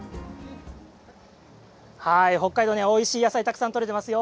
北海道にはおいしい野菜たくさんとれてますよ。